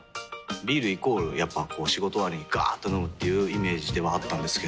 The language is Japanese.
ビールイコールやっぱこう仕事終わりにガーっと飲むっていうイメージではあったんですけど。